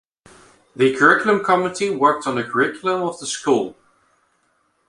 The Curriculum Committee worked on the curriculum of the school.